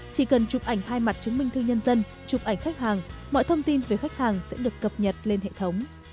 chỉ cần chụp ảnh hai mặt chứng minh thư nhân dân chụp ảnh khách hàng mọi thông tin về khách hàng sẽ được cập nhật lên hệ thống